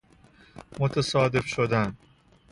متصادف شدن